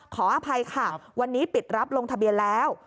ขออภัยค่ะวันนี้ปิดรับลงทะเบียนแล้ว